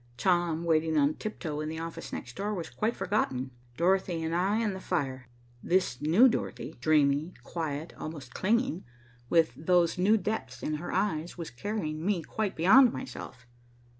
Tom waiting on tiptoe in the office next door was quite forgotten. Dorothy and I and the fire. This new Dorothy, dreamy, quiet, almost clinging, with those new depths in her eyes, was carrying me quite beyond myself.